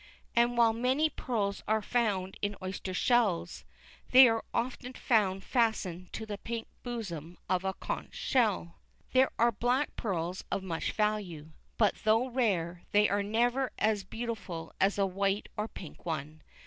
And while many pearls are found in oyster shells, they also are often found fastened to the pink bosom of a conch shell. There are black pearls of much value, but though rare, they are never half as beautiful as a white or pink one.